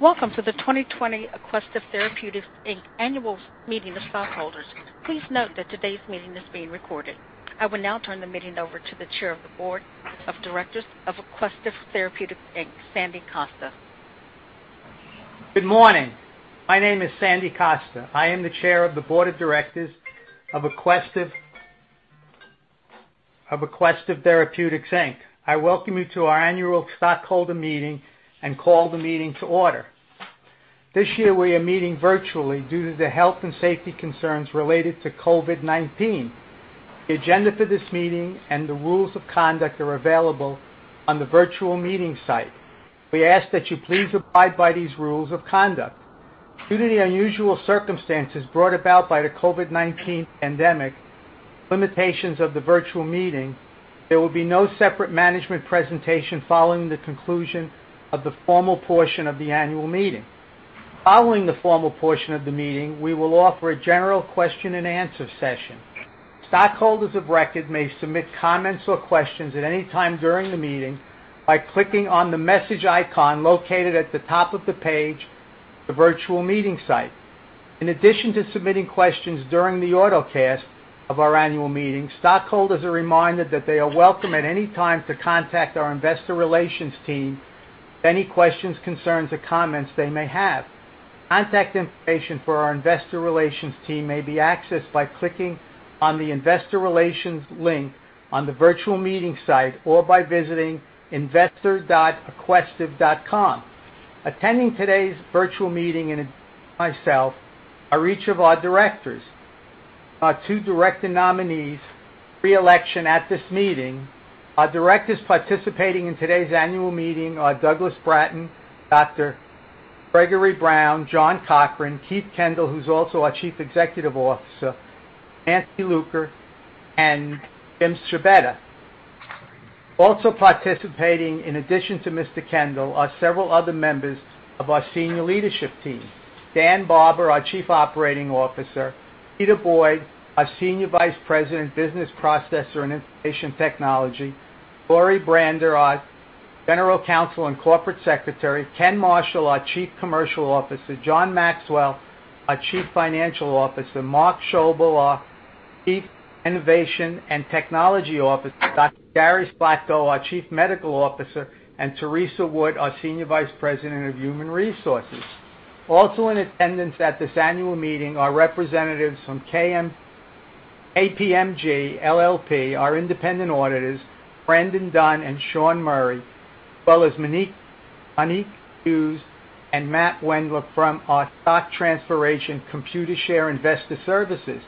Welcome to the 2020 Aquestive Therapeutics Inc. Annual Meeting of Stockholders. Please note that today's meeting is being recorded. I will now turn the meeting over to the Chairman of the Board of Directors of Aquestive Therapeutics Inc., Sandy Costa. Good morning. My name is Sandy Costa. I am the Chairman of the Board of Directors of Aquestive Therapeutics Inc. I welcome you to our annual stockholder meeting and call the meeting to order. This year, we are meeting virtually due to the health and safety concerns related to COVID-19. The agenda for this meeting and the rules of conduct are available on the virtual meeting site. We ask that you please abide by these rules of conduct. Due to the unusual circumstances brought about by the COVID-19 pandemic, limitations of the virtual meeting, there will be no separate management presentation following the conclusion of the formal portion of the annual meeting. Following the formal portion of the meeting, we will offer a general question and answer session. Stockholders of record may submit comments or questions at any time during the meeting by clicking on the message icon located at the top of the page, the virtual meeting site. In addition to submitting questions during the autocast of our annual meeting, stockholders are reminded that they are welcome at any time to contact our investor relations team with any questions, concerns, or comments they may have. Contact information for our investor relations team may be accessed by clicking on the investor relations link on the virtual meeting site or by visiting investor.aquestive.com. Attending today's virtual meeting and myself are each of our directors. Our two director nominees, re-election at this meeting. Our directors participating in today's annual meeting are Douglas Bratton, Dr. Gregory Brown, John Cochran, Keith Kendall, who's also our Chief Executive Officer, Nancy Lurker, and Tim Czubeda. Also participating, in addition to Mr. Kendall, are several other members of our senior leadership team. Dan Barber, our Chief Operating Officer, Peter Boyd, our Senior Vice President, Business Process and Information Technology, Lori Braender, our General Counsel and Corporate Secretary, Ken Marshall, our Chief Commercial Officer, John Maxwell, our Chief Financial Officer, Mark Schobel, our Chief Innovation and Technology Officer, Dr. Gary Slatko, our Chief Medical Officer, and Theresa Wood, our Senior Vice President of Human Resources. Also in attendance at this annual meeting are representatives from KPMG LLP, our independent auditors, Brandon Dunn and Sean Murray, as well as Monique Hughes and Matt Wendler from our stock transfer agent Computershare Investor Services.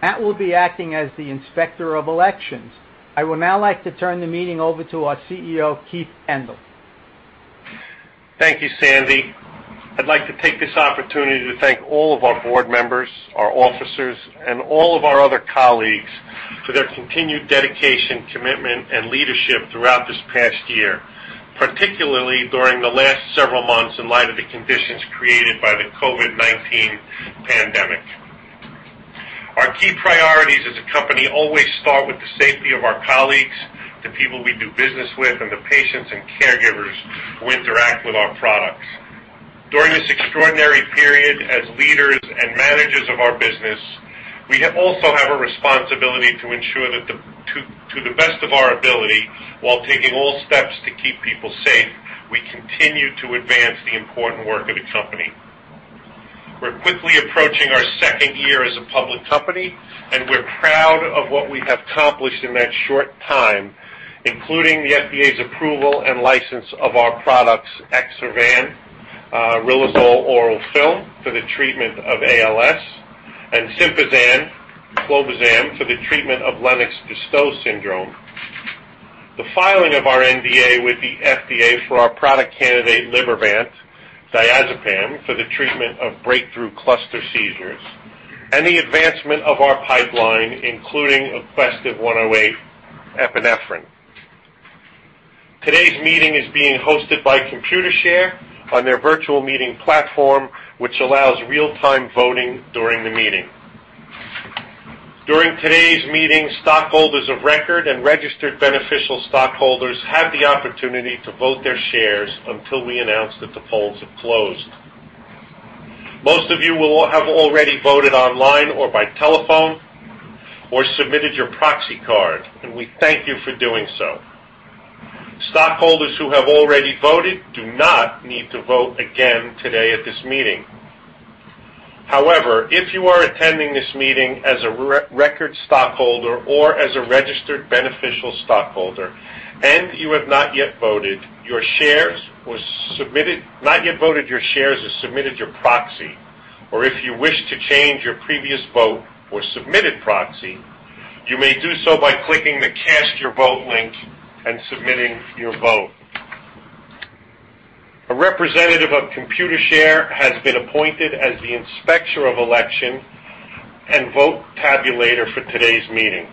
Matt will be acting as the Inspector of Elections. I would now like to turn the meeting over to our CEO, Keith Kendall. Thank you, Sandy. I'd like to take this opportunity to thank all of our board members, our officers, and all of our other colleagues for their continued dedication, commitment, and leadership throughout this past year, particularly during the last several months in light of the conditions created by the COVID-19 pandemic. Our key priorities as a company always start with the safety of our colleagues, the people we do business with, and the patients and caregivers who interact with our products. During this extraordinary period as leaders and managers of our business, we also have a responsibility to ensure that to the best of our ability, while taking all steps to keep people safe, we continue to advance the important work of the company. We're quickly approaching our second year as a public company, and we're proud of what we have accomplished in that short time, including the FDA's approval and license of our products, Exservan, riluzole oral film, for the treatment of ALS, and SYMPAZAN, clobazam, for the treatment of Lennox-Gastaut syndrome. The filing of our NDA with the FDA for our product candidate, Libervant, diazepam, for the treatment of breakthrough cluster seizures, and the advancement of our pipeline, including AQUESTIVE-108 epinephrine. Today's meeting is being hosted by Computershare on their virtual meeting platform, which allows real-time voting during the meeting. During today's meeting, stockholders of record and registered beneficial stockholders have the opportunity to vote their shares until we announce that the polls have closed. Most of you will have already voted online or by telephone or submitted your proxy card. We thank you for doing so. Stockholders who have already voted do not need to vote again today at this meeting. However, if you are attending this meeting as a record stockholder or as a registered beneficial stockholder and you have not yet voted your shares or submitted your proxy, or if you wish to change your previous vote or submitted proxy, you may do so by clicking the Cast Your Vote link and submitting your vote. A representative of Computershare has been appointed as the Inspector of Election and vote tabulator for today's meeting.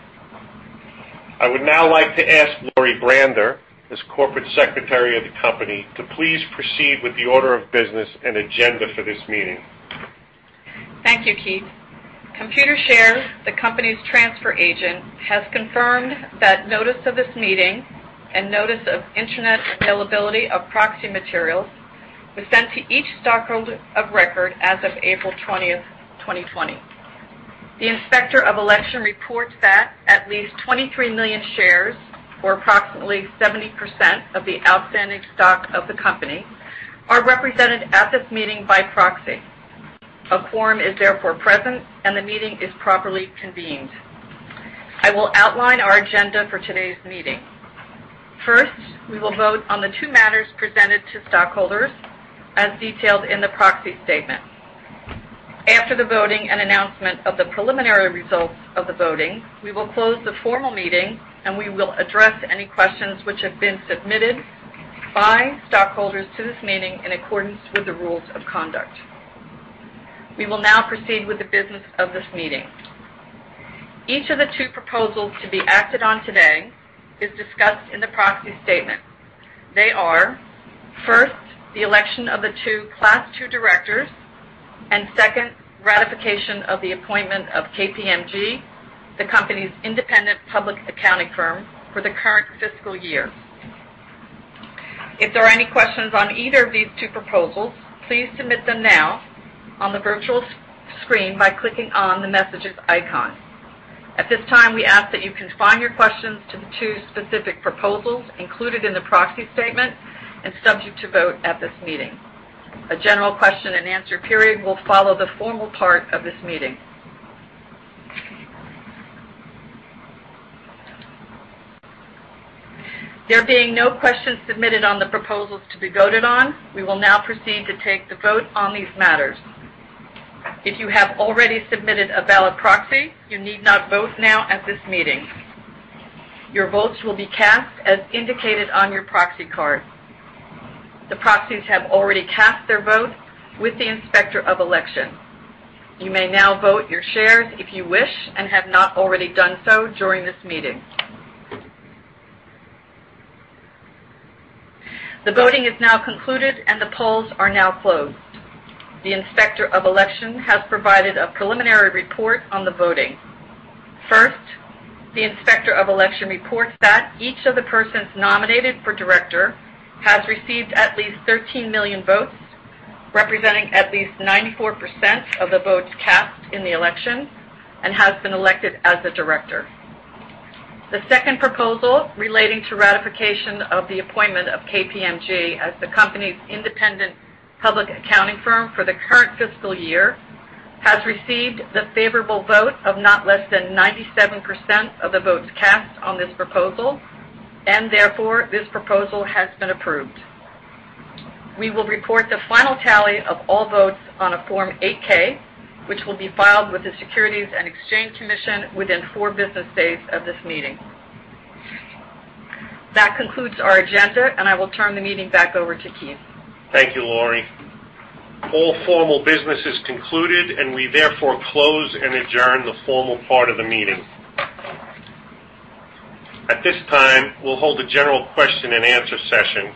I would now like to ask Lori Braender, as Corporate Secretary of the company, to please proceed with the order of business and agenda for this meeting. Thank you, Keith. Computershare, the company's transfer agent, has confirmed that notice of this meeting and notice of internet availability of proxy materials was sent to each stockholder of record as of April 20th, 2020. The Inspector of Election reports that at least 23 million shares, or approximately 70% of the outstanding stock of the company, are represented at this meeting by proxy. A quorum is therefore present, and the meeting is properly convened. I will outline our agenda for today's meeting. First, we will vote on the two matters presented to stockholders as detailed in the proxy statement. After the voting and announcement of the preliminary results of the voting, we will close the formal meeting, and we will address any questions which have been submitted by stockholders to this meeting in accordance with the rules of conduct. We will now proceed with the business of this meeting. Each of the two proposals to be acted on today is discussed in the proxy statement. They are, first, the election of the two Class II directors, and second, ratification of the appointment of KPMG, the company's independent public accounting firm for the current fiscal year. If there are any questions on either of these two proposals, please submit them now on the virtual screen by clicking on the messages icon. At this time, we ask that you confine your questions to the two specific proposals included in the proxy statement and subject to vote at this meeting. A general question and answer period will follow the formal part of this meeting. There being no questions submitted on the proposals to be voted on, we will now proceed to take the vote on these matters. If you have already submitted a valid proxy, you need not vote now at this meeting. Your votes will be cast as indicated on your proxy card. The proxies have already cast their vote with the Inspector of Election. You may now vote your shares if you wish and have not already done so during this meeting. The voting is now concluded, and the polls are now closed. The Inspector of Election has provided a preliminary report on the voting. First, the Inspector of Election reports that each of the persons nominated for director has received at least 13 million votes, representing at least 94% of the votes cast in the election, and has been elected as a director. The second proposal relating to ratification of the appointment of KPMG as the company's independent public accounting firm for the current fiscal year, has received the favorable vote of not less than 97% of the votes cast on this proposal, and therefore, this proposal has been approved. We will report the final tally of all votes on a Form 8-K, which will be filed with the Securities and Exchange Commission within four business days of this meeting. That concludes our agenda. I will turn the meeting back over to Keith. Thank you, Lori. All formal business is concluded. We therefore close and adjourn the formal part of the meeting. At this time, we'll hold a general question and answer session.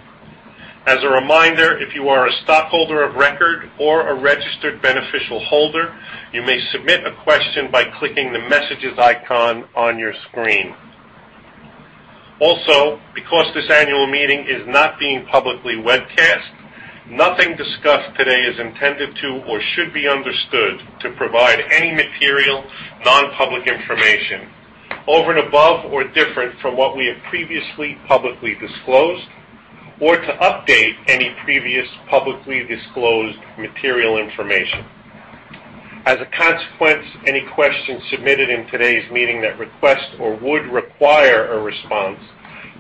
As a reminder, if you are a stockholder of record or a registered beneficial holder, you may submit a question by clicking the messages icon on your screen. Because this annual meeting is not being publicly webcast, nothing discussed today is intended to or should be understood to provide any material non-public information over and above or different from what we have previously publicly disclosed or to update any previous publicly disclosed material information. Any questions submitted in today's meeting that request or would require a response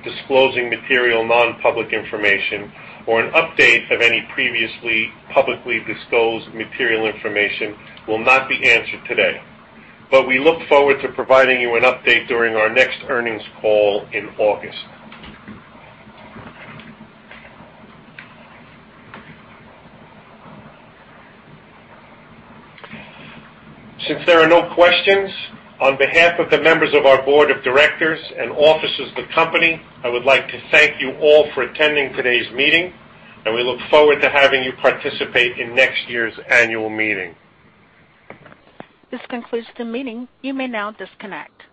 disclosing material non-public information or an update of any previously publicly disclosed material information will not be answered today. We look forward to providing you an update during our next earnings call in August. Since there are no questions, on behalf of the members of our board of directors and officers of the company, I would like to thank you all for attending today's meeting, and we look forward to having you participate in next year's annual meeting. This concludes the meeting. You may now disconnect.